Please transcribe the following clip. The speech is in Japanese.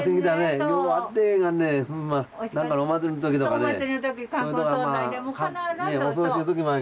お祭りの時のがね。